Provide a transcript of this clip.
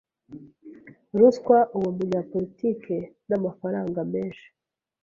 Ruswa uwo munyapolitike n'amafaranga menshi.